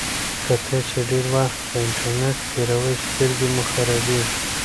که تاسي ډېر وخت په انټرنيټ تېروئ سترګې مو خرابیږي.